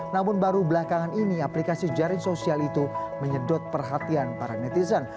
namun baru belakangan ini aplikasi jaring sosial itu menyedot perhatian para netizen